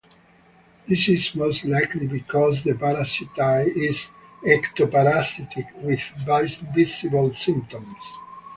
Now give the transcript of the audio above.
This is most likely because the parasite is ectoparasitic with visible symptoms.